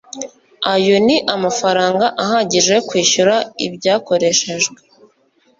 ayo ni amafaranga ahagije yo kwishyura ibyakoreshejwe